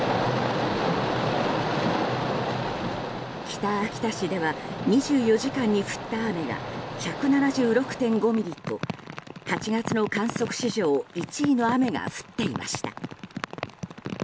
北秋田市では２４時間に降った雨が１７６．５ミリと８月の観測史上１位の雨が降っていました。